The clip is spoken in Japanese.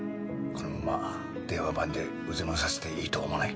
このまま電話番でうずもれさせていいとは思わない。